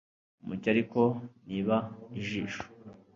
umucyo ariko niba ijisho